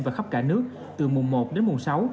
và khắp cả nước từ mùng một đến mùng sáu